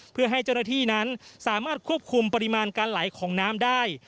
เพื่อให้เจ้าหน้าที่นั้นสามารถควบคุมปริมาณการไหลของน้ำได้